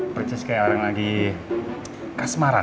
percis kayak orang lagi kasmara